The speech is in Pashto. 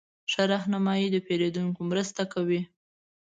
ښه رهنمایي د پیرودونکو مرسته کوي.